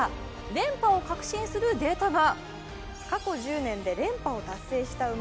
連覇を確信するデータが。